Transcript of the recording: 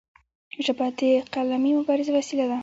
ژبه د قلمي مبارزې وسیله ده.